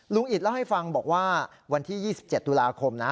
อิตเล่าให้ฟังบอกว่าวันที่๒๗ตุลาคมนะ